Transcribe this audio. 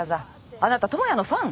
あなた知也のファン？